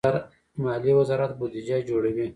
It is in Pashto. مالیې وزارت بودجه جوړوي